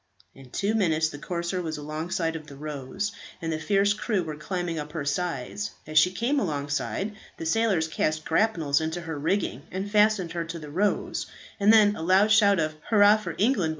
In two minutes the corsair was alongside of the "Rose," and the fierce crew were climbing up her sides. As she came alongside the sailors cast grapnels into her rigging, and fastened her to the "Rose;" and then aloud shout of "Hurrah for England!"